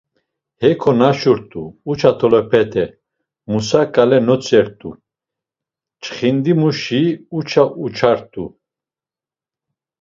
Heko naşurt̆u, uça tolepete Musa ǩale notzert̆u; çxindimuşi uça uçart̆u.